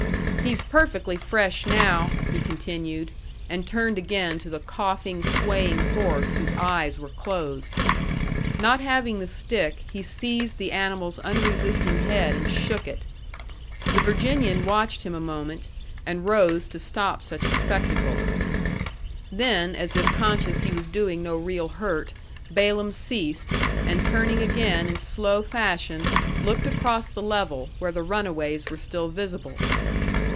"He's perfectly fresh now," he continued, and turned again to the coughing, swaying horse, whose eyes were closed. Not having the stick, he seized the animal's unresisting head and shook it. The Virginian watched him a moment, and rose to stop such a spectacle. Then, as if conscious he was doing no real hurt, Balaam ceased, and turning again in slow fashion looked across the level, where the runaways were still visible.